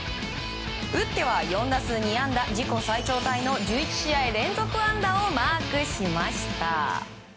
打っては４打数２安打自己最長タイの１１試合連続安打をマークしました。